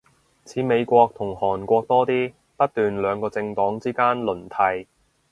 似美國同韓國多啲，不斷兩個政黨之間輪替